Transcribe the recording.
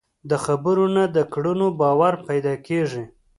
د خبرو نه، د کړنو باور پیدا کېږي.